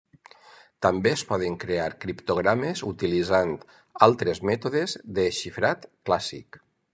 També es poden crear criptogrames utilitzant altres mètodes de xifrat clàssic.